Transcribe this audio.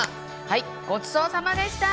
はいごちそうさまでした。